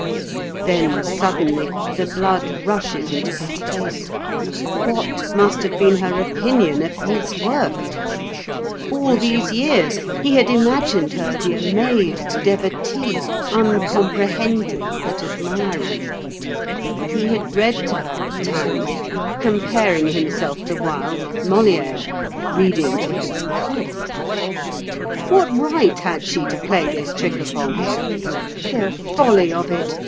Then suddenly the blood rushes into his face. What must have been her opinion of his work? All these years he had imagined her the amazed devotee, uncomprehending but admiring. He had read to her at times, comparing himself the while with Molière reading to his cook. What right had she to play this trick upon him? The folly of it!